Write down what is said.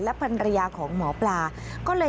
ภรรยาของหมอปลาก็เลย